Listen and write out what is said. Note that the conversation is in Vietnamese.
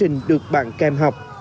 những phụ huynh được bạn kèm học